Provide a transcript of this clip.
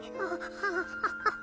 ハフハハハハ！